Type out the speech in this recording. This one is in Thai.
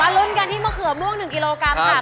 ลุ้นกันที่มะเขือม่วง๑กิโลกรัมค่ะ